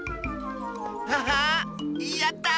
ハハッやった！